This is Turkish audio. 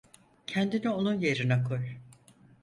Kendini onun yerine koy.